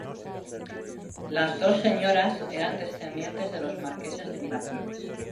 Las dos señoras eran descendientes de los Marqueses de Miraflores.